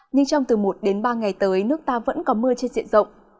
nhưng trong từ một đến ba ngày tới nước ta vẫn có mưa trên diện rộng